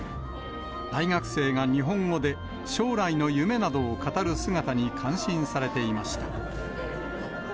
大学生が日本語で将来の夢などを語る姿に感心されていました。